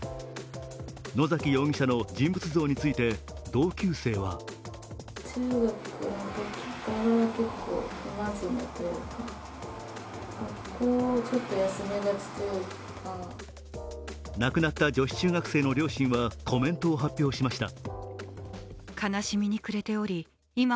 野崎容疑者の人物像について同級生は亡くなった女子中学生の両親はコメントを発表しました。